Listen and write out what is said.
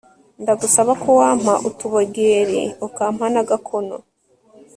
ndagusaba ko wampa utubogeri ukampa n'agakono